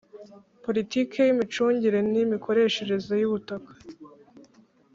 Politiki y imicungire n imikoreshereze y ubutaka